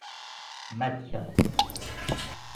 Metcalf.